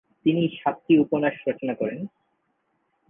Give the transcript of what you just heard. তিনি সাতটি উপন্যাস রচনা করেন।